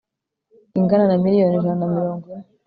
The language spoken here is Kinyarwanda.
ingana na miliyoni ijana na mirongo ine